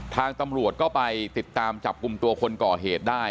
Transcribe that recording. ทางตำรวจก็ไปติดตามจับกลุ่มตัวคนก่อเหตุได้